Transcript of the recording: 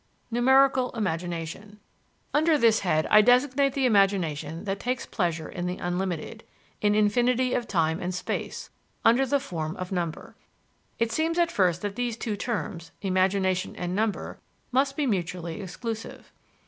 NUMERICAL IMAGINATION Under this head I designate the imagination that takes pleasure in the unlimited in infinity of time and space under the form of number. It seems at first that these two terms imagination and number must be mutually exclusive.